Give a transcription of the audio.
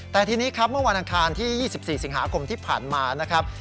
แต่ทีนี้ครับเมื่อวันอังคารที่๒๔สิงหาคมที่ผ่านมานะครับ